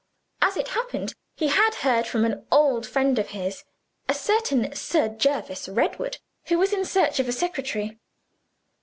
As it happened, he had heard from an old friend of his (a certain Sir Jervis Redwood), who was in search of a secretary.